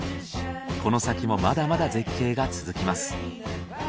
この先もまだまだ絶景が続きます。